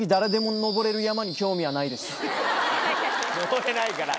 登れないから。